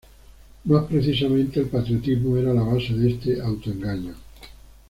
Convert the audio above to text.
Más precisamente, el patriotismo era la base de este auto-engaño.